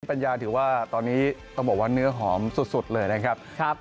ปัญญาถือว่าตอนนี้ต้องบอกว่าเนื้อหอมสุดเลยนะครับ